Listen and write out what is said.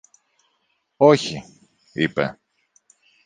Όχι! είπε.